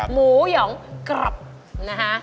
หมูหยอกกรอบนะคะ